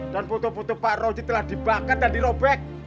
dan foto foto pak roji telah dibakat dan dirobek